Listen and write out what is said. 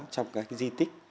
trong cái di tích